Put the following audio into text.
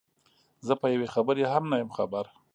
زه په یوې خبرې هم نه یم خبر.